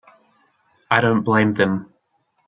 I don't blame them.